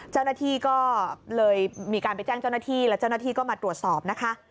เจ้าหน้าที่ก็เลยมีการไปแจ้งเจ้าหน้าที่และเจ้าหน้าที่ก็มาตรวจสอบนะคะ